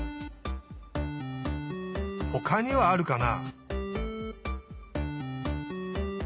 ほかにはあるかな？